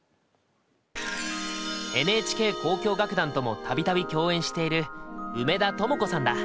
ＮＨＫ交響楽団ともたびたび共演している梅田朋子さんだ。